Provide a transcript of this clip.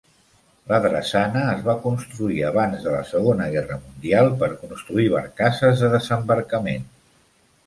La drassana es va construir abans de la Segona Guerra Mundial per construir barcasses de desembarcament.